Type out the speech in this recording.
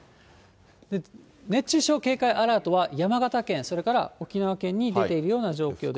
熱中症警戒アラートは山形県、それから沖縄県に出ているような状況です。